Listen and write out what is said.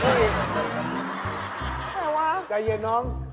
อะไรวะใจเย็นน้อง